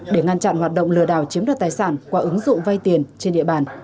để ngăn chặn hoạt động lừa đảo chiếm đoạt tài sản qua ứng dụng vay tiền trên địa bàn